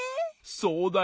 そうだよな。